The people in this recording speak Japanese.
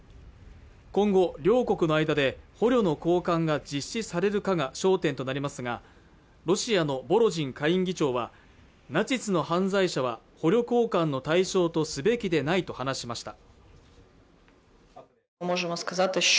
今後両国の間で捕虜の交換が実施されるかが焦点となりますがロシアのボロジン下院議長はナチスの犯罪者は捕虜交換の対象とすべきでないと話しました